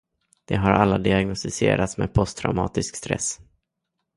De har alla diagnostiserats med posttraumatisk stress.